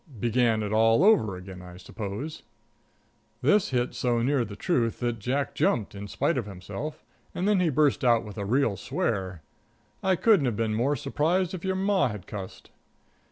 "Began it all over again, I suppose." This hit so near the truth that Jack jumped, in spite of himself, and then he burst out with a really swear. I couldn't have been more surprised if your Ma had cussed.